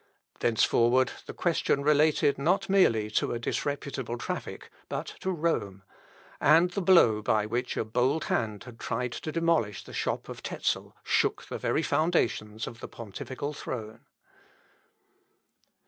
Thenceforward the question related not merely to a disreputable traffic, but to Rome; and the blow by which a bold hand had tried to demolish the shop of Tezel, shook the very foundations of the pontifical throne.